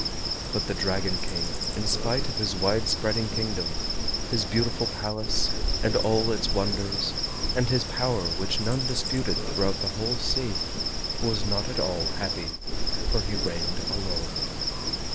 But the Dragon King, in spite of his wide spreading Kingdom, his beautiful Palace and all its wonders, and his power which none disputed throughout the whole sea, was not at all happy, for he reigned alone.